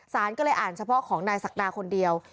สารก็เลยอ่านเฉพาะของนายศักดาคนเดียว